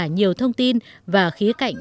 nhiều thông tin và khía cạnh